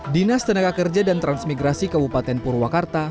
dinas tenaga kerja dan transmigrasi kabupaten purwakarta